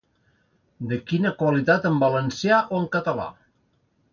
De quina qualitat en valencià o en català.